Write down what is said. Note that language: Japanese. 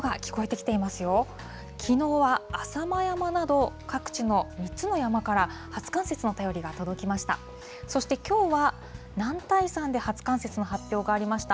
きのうは浅間山など、各地の３つの山から初冠雪の便りが届きました。